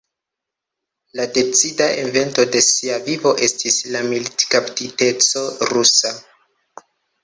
La decida evento de sia vivo estis la militkaptiteco rusa.